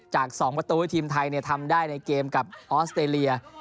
จาก๒ประตูให้ทีมไทยทำได้ในเกมกับออสเตรเลีย